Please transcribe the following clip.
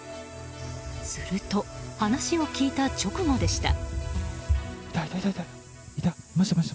すると、話を聞いた直後でした。